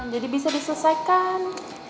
jadi bisa diselesaikan